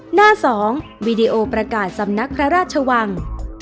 หน้า๒วีดีโอประกาศสำนักพระราชวัง